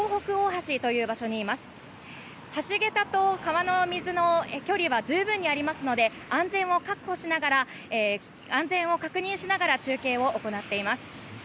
橋げたと川の水の距離は十分にありますので安全を確認しながら中継を行っています。